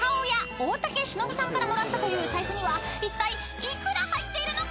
大竹しのぶさんからもらったという財布にはいったい幾ら入っているのか］